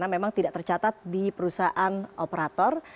karena memang tidak tercatat di perusahaan operator